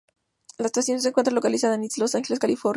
La estación se encuentra localizada en East Los Angeles, California.